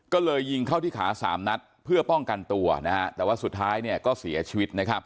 ก็เลยยิงเข้าที่ขาสามนัดเพื่อป้องกันตัวแต่ว่าสุดท้ายก็เสียชีวิต